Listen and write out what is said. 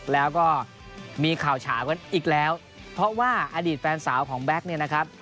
แล้วก็มีข่าวเฉากันอีกแล้วเพราะว่าอดีตแฟนสาวของแก๊กเนี่ยนะครับ